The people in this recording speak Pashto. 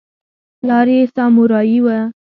پلار یې سامورايي و.